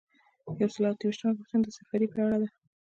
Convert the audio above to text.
یو سل او یو ویشتمه پوښتنه د سفریې په اړه ده.